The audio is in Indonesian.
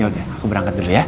yaudah aku berangkat dulu ya